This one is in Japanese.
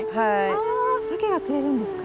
あサケが釣れるんですか？